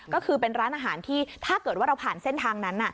ก็คือเป็นร้านอาหารที่ถ้าเกิดว่าเราผ่านเส้นทางนั้น